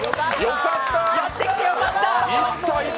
やってきてよかった！